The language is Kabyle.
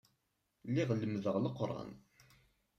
Lliɣ lemmdeɣ Leqran.